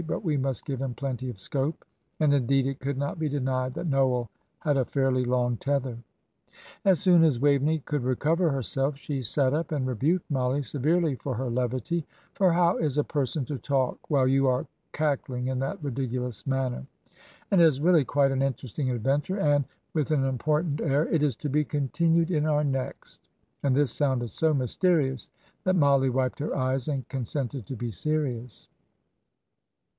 "But we must give him plenty of scope." And, indeed, it could not be denied that Noel had a fairly long tether. As soon as Waveney could recover herself, she sat up and rebuked Mollie severely for her levity; "for how is a person to talk while you are cackling in that ridiculous manner? And it is really quite an interesting adventure, and" with an important air "it is to be continued in our next." And this sounded so mysterious that Mollie wiped her eyes and consented to be serious.